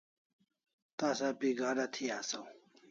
Tasa pi gada thi asaw